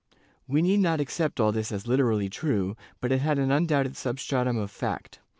^ We need not accept all this as literally true, but it had an un doubted substratum of fact.